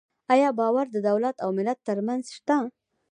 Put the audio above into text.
آیا باور د دولت او ملت ترمنځ شته؟